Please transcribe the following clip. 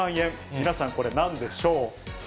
皆さんこれ、なんでしょう？